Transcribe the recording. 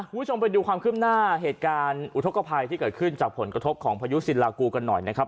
คุณผู้ชมไปดูความขึ้นหน้าเหตุการณ์อุทธกภัยที่เกิดขึ้นจากผลกระทบของพายุสินลากูกันหน่อยนะครับ